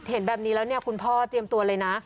เห็นแบบนี้แล้วเนี่ยคุณพ่อเตรียมตัวเลยนะ